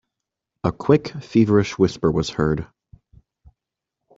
A quick, feverish whisper was heard.